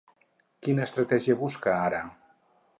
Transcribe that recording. Quina estratègia busca ara?